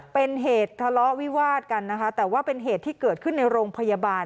เป็นเหตุทะเลาะวิวาดกันนะคะแต่ว่าเป็นเหตุที่เกิดขึ้นในโรงพยาบาล